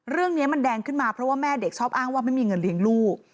เรื่องนี้มันแดงขึ้นมาเพราะว่าแม่เด็กชอบอ้างว่าไม่มีเงินเลี้ยงลูก